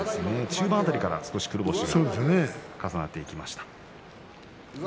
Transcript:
中盤辺りから少し黒星が重なっていきました。